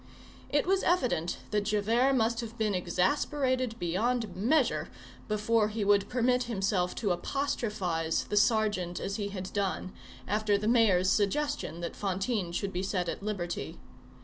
It was evident that Javert must have been exasperated beyond measure before he would permit himself to apostrophize the sergeant as he had done, after the mayor's suggestion that Fantine should be set at liberty.